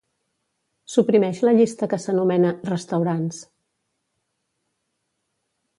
Suprimeix la llista que s'anomena "restaurants".